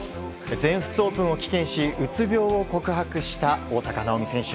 全仏オープンを棄権しうつ病を告白した大坂なおみ選手。